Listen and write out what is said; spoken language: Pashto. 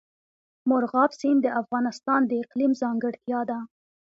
مورغاب سیند د افغانستان د اقلیم ځانګړتیا ده.